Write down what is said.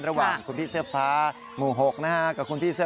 จับห่างก่อน